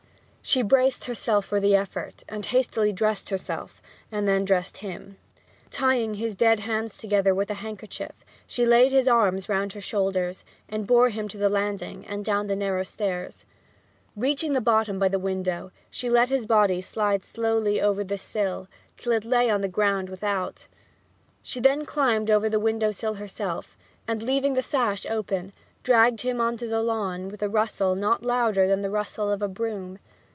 She braced herself for the effort, and hastily dressed herself; and then dressed him. Tying his dead hands together with a handkerchief; she laid his arms round her shoulders, and bore him to the landing and down the narrow stairs. Reaching the bottom by the window, she let his body slide slowly over the sill till it lay on the ground without. She then climbed over the window sill herself, and, leaving the sash open, dragged him on to the lawn with a rustle not louder than the rustle of a broom.